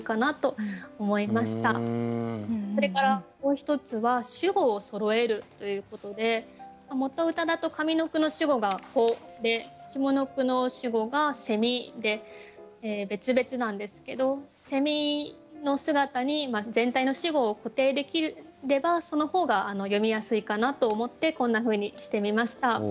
それからもう一つは主語をそろえるということで元歌だと上の句の主語が「子」で下の句の主語が「」で別々なんですけどの姿に全体の主語を固定できればその方が詠みやすいかなと思ってこんなふうにしてみました。